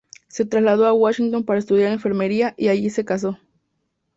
Se trasladó a Washington para estudiar enfermería y allí se casó.